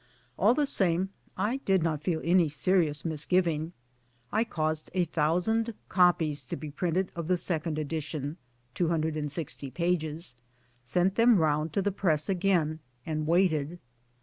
All the same I did not feel any serious mis giving. I caused a thousand copies to be printed of the second edition (260 pp.), sent them round to the Press again, and waited.